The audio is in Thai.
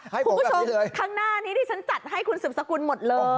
ให้ผมแบบนี้เลยคุณผู้ชมข้างหน้านี้ดิฉันจัดให้คุณสึบสกุลหมดเลย